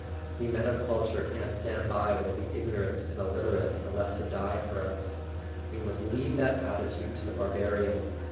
We men of culture can't stand by while the ignorant and illiterate are left to die for us. We must leave that attitude to the Barbarian.